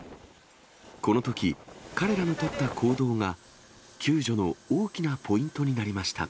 このとき、彼らの取った行動が、救助の大きなポイントになりました。